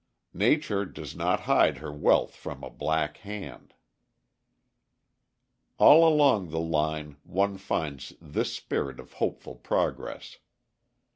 Nature does not hide her wealth from a black hand. All along the line one finds this spirit of hopeful progress.